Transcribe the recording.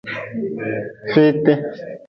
Feeti.